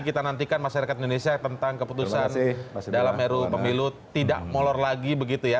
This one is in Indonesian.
kita nantikan masyarakat indonesia tentang keputusan dalam ru pemilu tidak molor lagi begitu ya